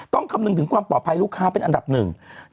คำนึงถึงความปลอดภัยลูกค้าเป็นอันดับหนึ่ง